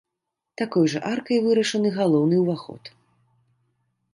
Такой жа аркай вырашаны галоўны ўваход.